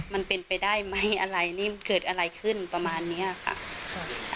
มันเป็นไปได้ไหมอะไรนี่มันเกิดอะไรขึ้นประมาณเนี้ยค่ะครับ